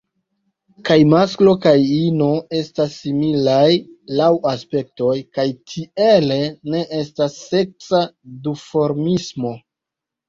Kaj masklo kaj ino estas similaj laŭ aspekto, kaj tiele ne estas seksa duformismo.